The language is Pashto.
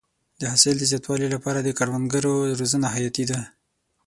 د حاصل د زیاتوالي لپاره د کروندګرو روزنه حیاتي ده.